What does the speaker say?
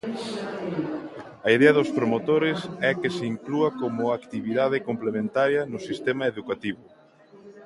A idea dos promotores é que se inclúa como actividade complementaria no sistema educativo.